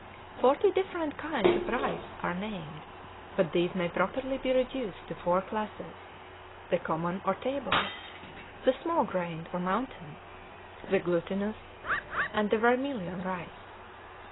Forty different kinds of rice are named, but these may properly be reduced to four classes, the Common or table, the Small grained or mountain, the Glutinous, and the Vermilion rice.